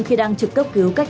khi đang trực cấp cứu người bệnh